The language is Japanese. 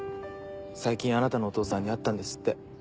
最近あなたのお父さんに会ったんですって。